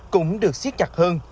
cũng được siết chặt hơn